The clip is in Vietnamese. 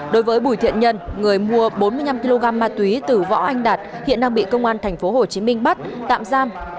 đối với bùi thiện nhân người mua bốn mươi năm kg ma túy từ võ anh đạt hiện đang bị công an tp hcm bắt tạm giam